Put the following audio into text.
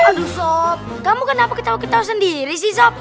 aduh sob kamu kenapa ketawa ketawa sendiri sih sob